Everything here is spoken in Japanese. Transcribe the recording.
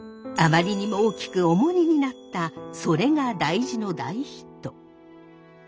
あまりにも大きく重荷になった「それが大事」の大ヒット。